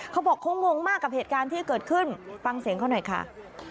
เขาบอกเขางงมากกับเหตุการณ์ที่เกิดขึ้นฟังเสียงเขาหน่อยค่ะ